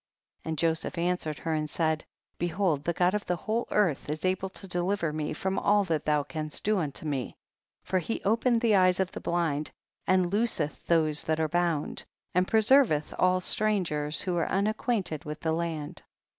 79. And Joseph answered her and said, behold the God of the whole earth is able to deliver me from all that thou canst do unto me, for he openeth the eyes of the blind, and looseth those that are bound, and preserveth all strangers who are un acquainted with the land.